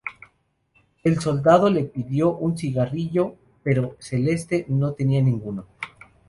El soldado le pidió un cigarrillo, pero Celeste no tenía ninguno.